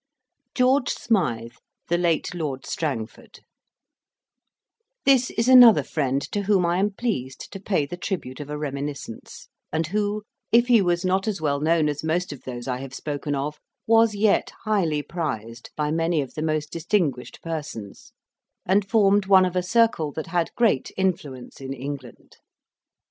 GEORGE SMYTHE, THE LATE LORD STRANGFORD This is another friend to whom I am pleased to pay the tribute of a reminiscence, and who, if he was not as well known as most of those I have spoken of, was yet highly prized by many of the most distinguished persons, and formed one of a circle that had great influence in England.